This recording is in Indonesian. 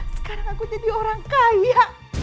sekarang aku jadi orang kaya